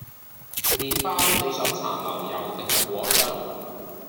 麵包你想搽牛油定係果醬？